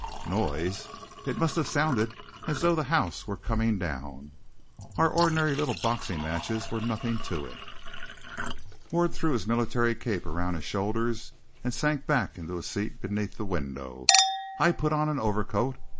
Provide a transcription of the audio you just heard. Noise! It must have sounded as though the house were coming down. Our ordinary little boxing matches were nothing to it. Ward threw his military cape around his shoulders, and sank back into a seat beneath the window. I put on an overcoat.